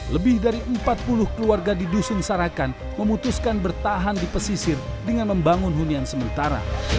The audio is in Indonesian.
lebih dari empat puluh keluarga di dusun sarakan memutuskan bertahan di pesisir dengan membangun hunian sementara